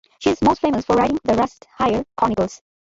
She is most famous for writing the "Rutshire Chronicles".